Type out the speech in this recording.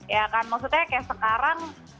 maksudnya kayak sekarang